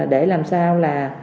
để làm sao là